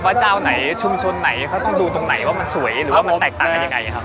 ว่าเจ้าไหนชุมชนไหนเขาต้องดูตรงไหนว่ามันสวยหรือว่ามันแตกต่างกันยังไงครับ